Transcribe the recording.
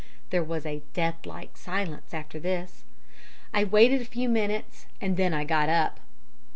There was a deathlike silence after this. I waited a few minutes, and then I got up.